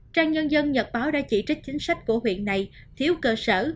trang nhân dân nhật báo đã chỉ trích chính sách của huyện này thiếu cơ sở